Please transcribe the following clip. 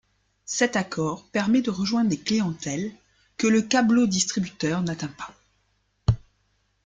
Cet accord permet de rejoindre des clientèles que le câblodistributeur n'atteint pas.